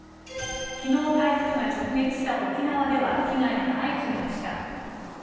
昨日、台風が直撃した沖縄では被害が相次ぎました。